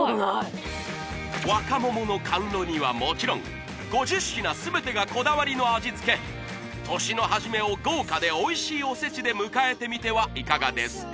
若桃の甘露煮はもちろん５０品すべてがこだわりの味つけ年のはじめを豪華でおいしいおせちで迎えてみてはいかがですか？